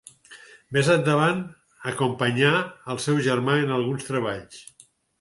Més endavant acompanyà el seu germà en alguns treballs.